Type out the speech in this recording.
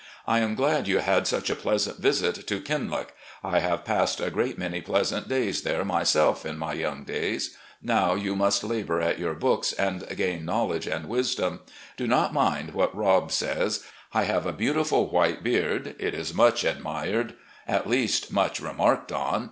I am glad you had such a pleasant visit to 'Kinloch.' I have passed a great many pleasant days there myself in my young days. Now you must labour at your books and gain knowledge and wisdom. Do not LETTERS TO WIFE AND DAUGHTERS S 5 mind what Rob says. I have a beautiful white beard. It is much admired. At least, much remarked on.